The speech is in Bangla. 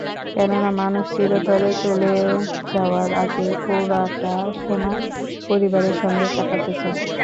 কেননা, মানুষ চিরতরে চলে যাওয়ার আগে পুরোটা সময় পরিবারের সঙ্গে কাটাতে চায়।